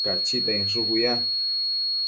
Cachita inshucu ya